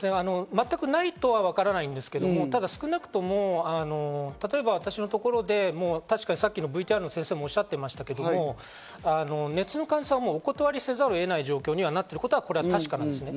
全くないとはわからないですが、少なくとも私のところで先のＶＴＲの先生もおっしゃっていましたけど、熱の患者さんはもうお断りせざるを得ない状況になっていることは確かです。